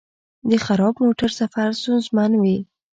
د خراب موټر سفر ستونزمن وي.